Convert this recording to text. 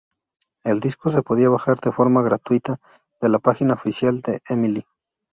El disco se podía bajar de forma gratuita de la página oficial de Emilie.